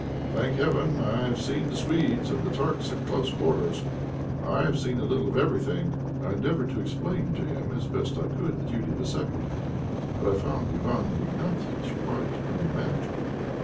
Thank heaven I have seen the Swedes and the Turks at close quarters, and I have seen a little of everything." I endeavoured to explain to him as best I could the duty of a second, but I found Iwán Ignatiitch quite unmanageable.